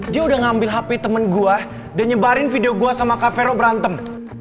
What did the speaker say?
dia udah ngambil hp temen gue dan nyebarin video gue sama cavero berantem